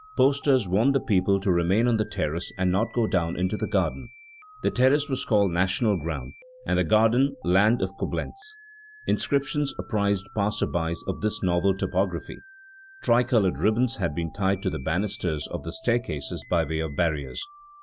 Posters warned the people to remain on the terrace and not go down into the garden. The terrace was called National Ground, and the garden the Land of Coblentz. Inscriptions apprised passers by of this novel topography. Tri colored ribbons had been tied to the banisters of the staircases by way of barriers.